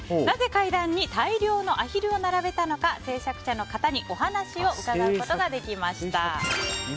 なぜ階段に大量のアヒルを並べたのか制作者の方にお話を伺うことができました。